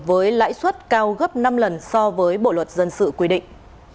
với lãi suất cao gấp năm lần so với bộ luật dân sự quy định